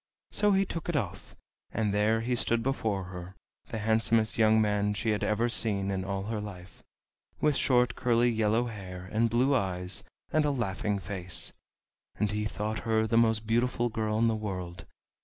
So he took it off, and there he stood before her, the handsomest young man she had ever seen in all her life, with short curly yellow hair, and blue eyes, and a laughing face. And he thought her the most beautiful girl in the world.